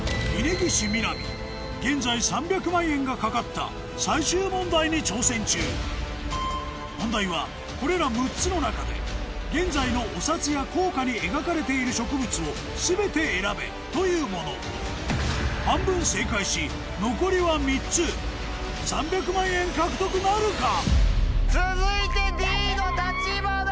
現在３００万円が懸かった最終問題に挑戦中問題はこれら６つの中で現在のお札や硬貨に描かれている植物を全て選べというもの半分正解し残りは３つ３００万円獲得なるか⁉続いてＤのタチバナ！